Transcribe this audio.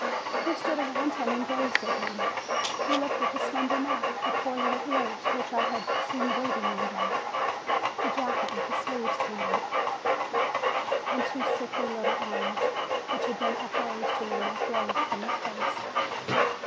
We stood around him and gazed at him. We looked at the slender neck, the poor little ears, which I had seen bleeding one day, the jacket with the sleeves turned up, the two sickly, little arms, which had been upraised to ward off blows from his face.